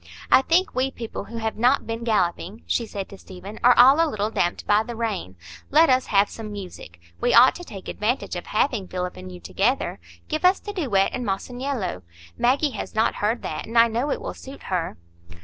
"I think we people who have not been galloping," she said to Stephen, "are all a little damped by the rain. Let us have some music. We ought to take advantage of having Philip and you together. Give us the duet in 'Masaniello'; Maggie has not heard that, and I know it will suit her."